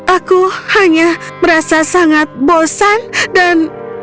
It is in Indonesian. aku hanya merasa sangat bosan dan